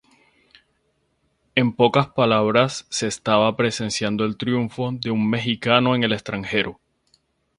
En pocas palabras se estaba presenciando el triunfo de un mexicano en el extranjero.